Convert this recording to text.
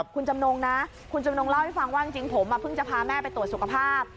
คุณจำนงนะคุณจำนงเล่าให้ฟังว่าจริงผมเพิ่งจะพาแม่ไปตรวจสุขภาพ